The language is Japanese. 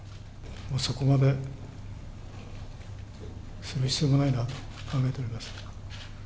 そこまでする必要がないなと考えております。